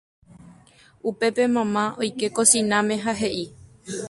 Upépe mama oike kosináme ha he'i